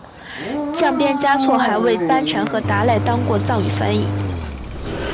降边嘉措还为班禅和达赖当过藏语翻译。